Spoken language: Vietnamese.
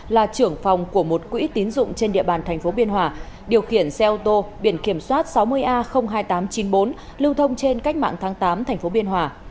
là trưởng phòng của một quỹ tín dụng trên địa bàn tp biên hòa điều khiển xe ô tô biển kiểm soát sáu mươi a hai nghìn tám trăm chín mươi bốn lưu thông trên cách mạng tháng tám tp biên hòa